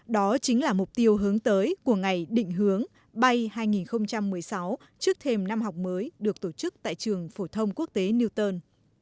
đó chính là mục tiêu hướng tới của ngày định hướng bay hai nghìn một mươi sáu trước thêm năm học mới được tổ chức tại trường phổ thông quốc tế newton